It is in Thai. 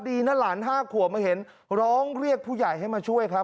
ดีนะหลาน๕ขวบมาเห็นร้องเรียกผู้ใหญ่ให้มาช่วยครับ